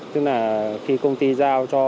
tức là khi công ty giao cho